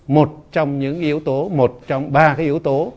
một trong những yếu tố một trong ba cái yếu tố